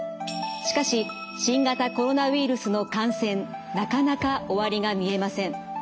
しかし新型コロナウイルスの感染なかなか終わりが見えません。